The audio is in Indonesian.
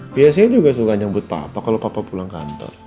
biasanya juga suka nyebut papa kalau papa pulang kantor